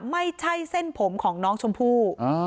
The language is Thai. ไม่ใช่เส้นผมของน้องชมพู่